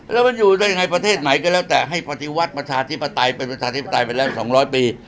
แล้วมันอยู่ได้ยังไงประเทศไหนก็แล้วแต่ให้ปฏิวัติประชาธิปไตยเป็นประชาธิปไตยไปแล้ว๒๐๐ปี